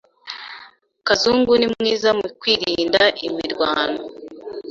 Kazungu ni mwiza mu kwirinda imirwano.